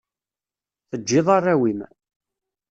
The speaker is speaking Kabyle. Teǧǧiḍ arraw-im.